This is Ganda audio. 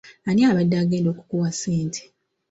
Ani badde agenda okukuwa ssente?